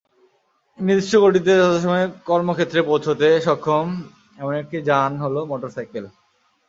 নির্দিষ্ট গতিতে যথাসময়ে কর্মক্ষেত্রে পৌঁছতে সক্ষম এমন একটি যান হলো মোটরসাইকেল।